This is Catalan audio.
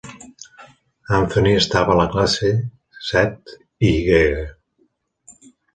Anthony estava a la classe set Y.